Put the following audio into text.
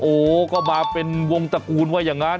โอ้โหก็มาเป็นวงตระกูลว่าอย่างนั้น